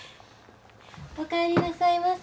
おかえりなさいませ。